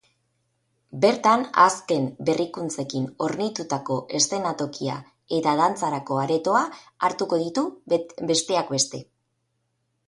Bertan azken berrikuntzekin hornitutako eszenatokia eta dantzarako aretoa hartuko ditu, besteak beste.